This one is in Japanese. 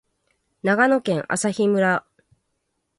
長野県朝日村